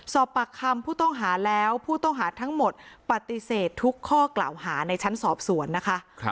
สอบปากคำผู้ต้องหาแล้วผู้ต้องหาทั้งหมดปฏิเสธทุกข้อกล่าวหาในชั้นสอบสวนนะคะ